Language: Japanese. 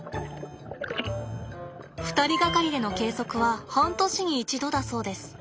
２人掛かりでの計測は半年に一度だそうです。